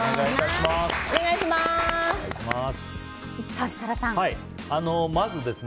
お願いします。